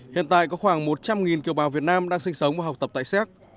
hiện tại có khoảng một trăm linh kiều bào việt nam đang sinh sống và học tập tại séc